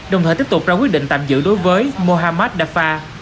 đồng thời tiếp tục ra quyết định tạm giữ đối với mohammad dafa